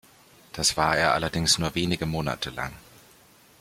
Das war er allerdings nur wenige Monate lang.